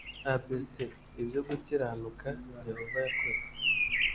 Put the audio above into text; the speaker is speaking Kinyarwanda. abc ibyo gukiranuka yehova yakoze